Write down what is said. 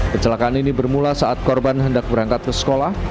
kecelakaan ini bermula saat korban hendak berangkat ke sekolah